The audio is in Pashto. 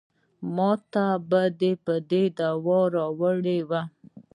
ماته به دې دوا راوړې وه.